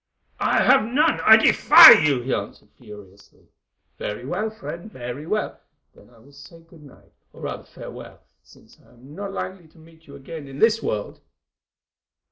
"I have none. I defy you," he answered furiously. "Very well, friend—very well; then I will say good night, or rather farewell, since I am not likely to meet you again in this world."